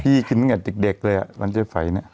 พี่กินกับเด็กเลยร้านเจยะไฝนี่